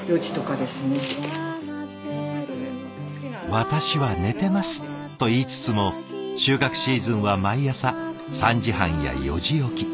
「私は寝てます」と言いつつも収穫シーズンは毎朝３時半や４時起き。